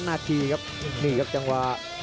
นาทีครับนี่ครับจังหวะ